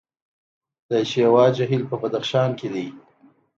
د شیوا جهیل په بدخشان کې دی